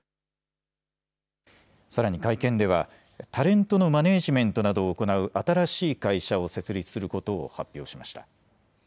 さらに会見では、タレントのマネージメントなどを行う新しい会社を設立することを発表しました。